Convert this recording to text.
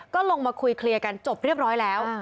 ก็ลงมาคุยเคลียร์กันจบเรียบร้อยแล้ว